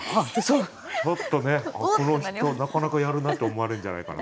ちょっとねこの人なかなかやるなって思われるんじゃないかな。